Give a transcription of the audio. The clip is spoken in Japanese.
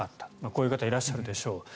こういう方いらっしゃるでしょう。